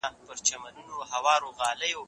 زه به اوږده موده چپنه پاک کړې وم؟!